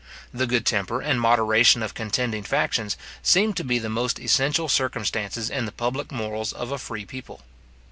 The good temper and moderation of contending factions seem to be the most essential circumstances in the public morals of a free people.